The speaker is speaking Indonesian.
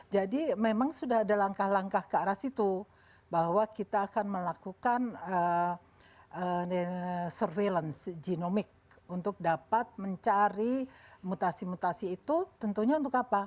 jadi memang sudah ada langkah langkah ke arah situ bahwa kita akan melakukan surveillance genomic untuk dapat mencari mutasi mutasi itu tentunya untuk apa